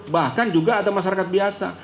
bahkan juga ada masyarakat biasa